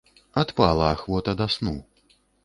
Адпала ахвота да сну.